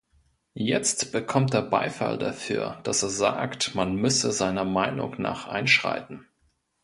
Jetzt bekommt er Beifall dafür, dass er sagt, man müsse seiner Meinung nach einschreiten.